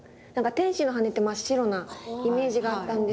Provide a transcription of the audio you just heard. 天使の羽って真っ白なイメージがあったんですけど。